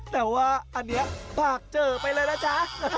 แต่ว่าอันนี้ฝากเจอไปเลยนะจ๊ะ